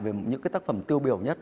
về những tác phẩm tiêu biểu nhất